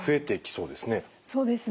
そうですね。